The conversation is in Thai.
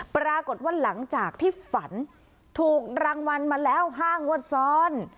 ปรากฏว่าหลังจากที่ฝันถูกรางวัลมาแล้ว๕งวดซ้อน